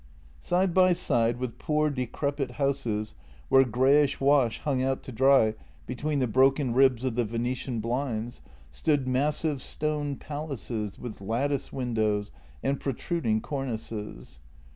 Side by side with poor, decrepit houses, where greyish wash JENNY 40 hung out to dry between the broken ribs of the Venetian blinds, stood massive stone palaces with lattice windows and protruding cornices.